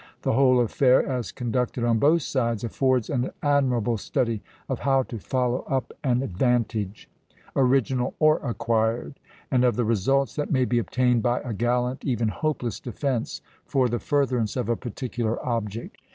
" The whole affair, as conducted on both sides, affords an admirable study of how to follow up an advantage, original or acquired, and of the results that may be obtained by a gallant, even hopeless defence, for the furtherance of a particular object.